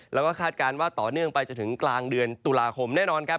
แล้วก็คาดการณ์ว่าต่อเนื่องไปจนถึงกลางเดือนตุลาคมแน่นอนครับ